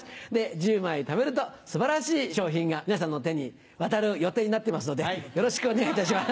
１０枚ためると素晴らしい賞品が皆さんの手に渡る予定になっていますのでよろしくお願いいたします。